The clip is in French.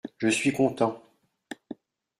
Je suis content.